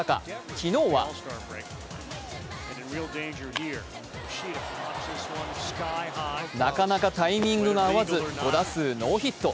昨日はなかなかタイミングが合わず、５打数ノーヒット。